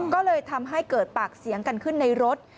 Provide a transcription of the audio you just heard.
ก็เลยทำให้เกิดปากเสียงกันขึ้นในรถ